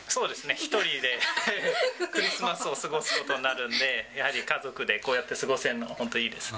１人でクリスマスを過ごすことになるんで、やはり家族でこうやって過ごせるのは、本当、いいですね。